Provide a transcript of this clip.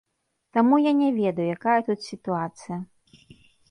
Таму я не ведаю, якая тут сітуацыя.